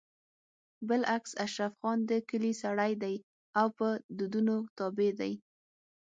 بالعكس اشرف خان د کلي سړی دی او په دودونو تابع دی